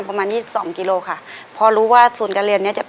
ในแคมเปญพิเศษเกมต่อชีวิตโรงเรียนของหนู